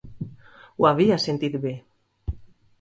Ho havia sentit bé.